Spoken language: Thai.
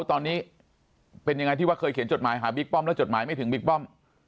ตอนนี้เป็นยังไงที่ว่าเคยเขียนจดหมายหาบิ๊กป้อมแล้วจดหมายไม่ถึงบิ๊กป้อม